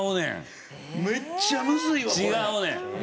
めっちゃむずいわこれ。